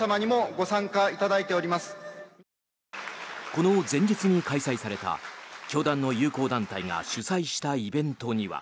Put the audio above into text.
この前日に開催された教団の友好団体が主催したイベントには。